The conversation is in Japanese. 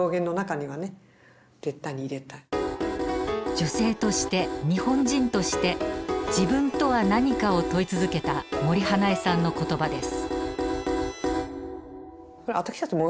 女性として日本人として自分とは何かを問い続けた森英恵さんの言葉です。